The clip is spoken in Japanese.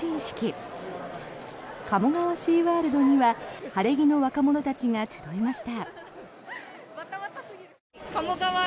シーワールドには晴れ着の若者たちが集いました。